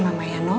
mama ya nuk